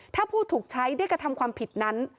ถ้าผู้ถูกใช้ได้กระทำความผิดนั้น